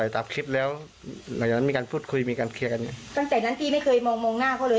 ตั้งแต่นั้นพี่ไม่เคยมองหน้าเขาเลย